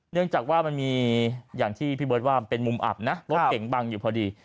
เนื่องจากว่ามันมีอย่างที่พี่เบิร์ตว่ามันเป็นมุมอับนะรถเก่งบังอยู่พอดี